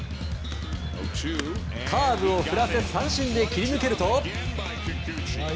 カーブを振らせ三振で切り抜けると。